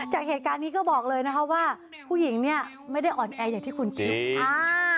จากเหตุการณ์นี้ก็บอกเลยว่าผู้หญิงไม่ได้อ่อนแอร์อย่างที่คุณคิด